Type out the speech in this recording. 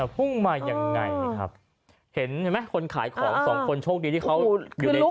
พุ่งมายังไงครับเห็นไหมคนขายของสองคนโชคดีที่เขาอยู่ใน